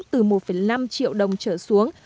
từ một năm triệu đồng trở xuống